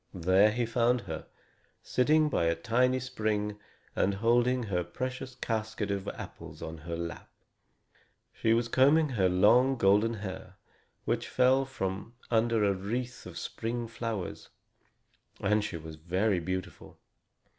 There he found her, sitting by a tiny spring, and holding her precious casket of apples on her lap. She was combing her long golden hair, which fell from under a wreath of spring flowers, and she was very beautiful.